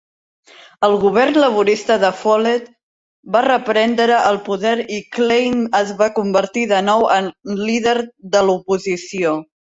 El govern laborista de Follet va reprendre el poder i Klaine es va convertir de nou en líder de l'oposició.